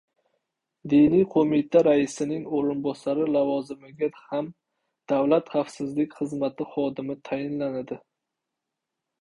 Diniy qo‘mita raisining o‘rinbosari lavozimiga ham Davlat xavfsizlik xizmati xodimi tayinlandi